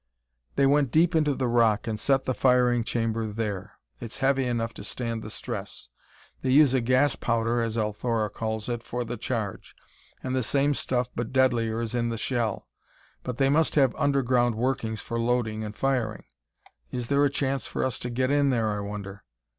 "They went deep into the rock and set the firing chamber there; it's heavy enough to stand the stress. They use a gas powder, as Althora calls it, for the charge, and the same stuff but deadlier is in the shell. But they must have underground workings for loading and firing. Is there a chance for us to get in there, I wonder!